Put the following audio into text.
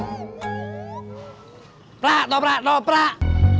daprak daprak daprak